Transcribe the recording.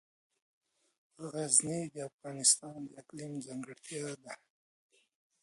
غزني د افغانستان د اقلیم ځانګړتیا ده.